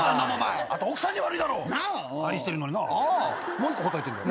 もう１個答えてんだよ。